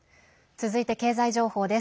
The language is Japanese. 続いて経済情報です。